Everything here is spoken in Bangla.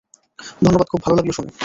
ধন্যবাদ, খুব ভালো লাগলো শুনে।